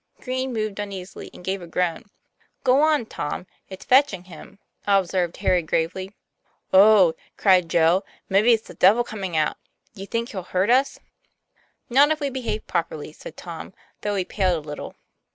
Green moved uneasily, and gave a groan. "Go on, Tom, it's fetching him," observed Harry gravely. "Oh!" cried Joe, "maybe it's the devil coming out. Do you think he'll hurt us?" "Not if we behave properly," said Tom, though he paled a little.